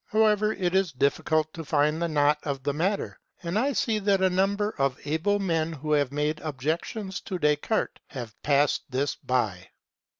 However it is difficult to find the knot of the matter, and I see that a number of able men who have made objection to Descartes have passed this by.